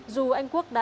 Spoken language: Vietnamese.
dù anh quốc đã